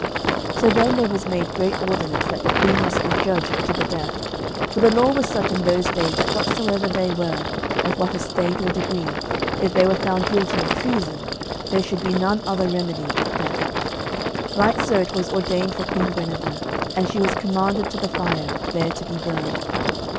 So then there was made great ordinance that the Queen must be judged to the death, for the law was such in those days that whatsoever they were, of what estate or degree, if they were found guilty of treason, there should be none other remedy but death. Right so it was ordained for Queen Guenever, and she was commanded to the fire, there to be burned.